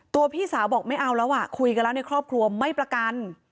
พี่สาวบอกไม่เอาแล้วอ่ะคุยกันแล้วในครอบครัวไม่ประกัน